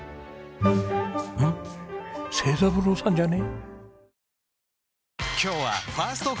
成三郎さんじゃね？